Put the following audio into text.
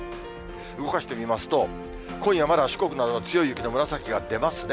動かしてみますと、今夜、まだ四国などは、強い雪の紫が出ますね。